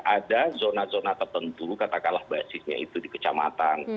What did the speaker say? ada zona zona tertentu katakanlah basisnya itu di kecamatan